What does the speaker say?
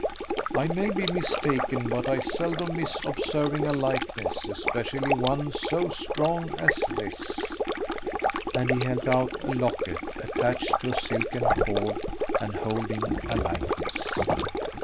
I may be mistaken, but I seldom miss observing a likeness, especially one so strong as this" and he held out a locket attached to a silken cord and holding a likeness.